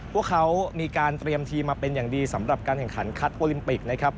พวกเขามีการเตรียมทีมมาเป็นอย่างดีสำหรับการแข่งขันคัดโอลิมปิกนะครับ